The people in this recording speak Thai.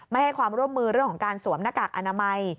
ไม่ให้ความร่วมมือเรื่องของการสวมหน้ากากอนามัย